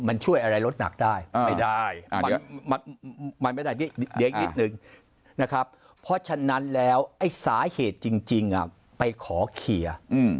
มันช่วยอะไรลดหนักได้ไม่ได้เพราะฉะนั้นสาเหตุจริงไปขอเขียน